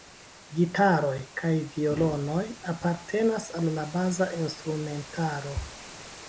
Gitaroj kaj violonoj apartenas al la baza instrumentaro.